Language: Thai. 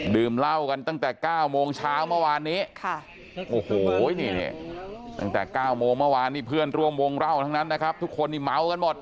ดื่มเหล้ากันตั้งแต่๙โมงเช้าเมื่อวานนี้โอ้โหนี่ตั้งแต่๙โมงเมื่อวานนี้เพื่อนร่วมวงเล่าทั้งนั้นนะครับทุกคนนี่เมากันหมด